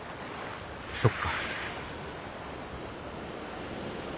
そっか。